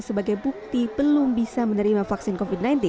sebagai bukti belum bisa menerima vaksin covid sembilan belas